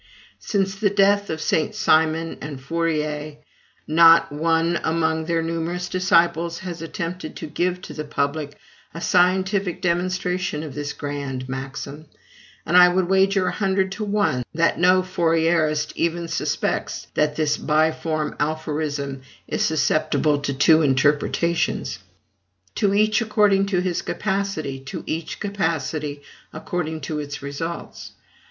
Since the death of St. Simon and Fourier, not one among their numerous disciples has attempted to give to the public a scientific demonstration of this grand maxim; and I would wager a hundred to one that no Fourierist even suspects that this biform aphorism is susceptible of two interpretations. "To each according to his capacity, to each capacity according to its results."